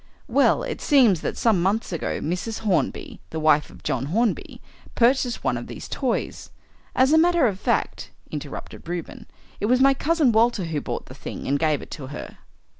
"Well, it seems that some months ago Mrs. Hornby, the wife of John Hornby, purchased one of these toys " "As a matter of fact," interrupted Reuben, "it was my cousin Walter who bought the thing and gave it to her."